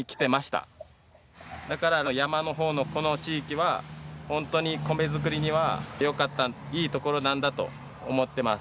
だから山のほうのこの地域は本当に米作りには良かったいい所なんだと思ってます。